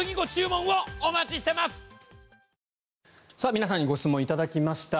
皆さんにご質問を頂きました。